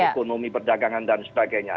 ekonomi perdagangan dan sebagainya